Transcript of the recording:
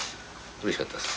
うれしかったです。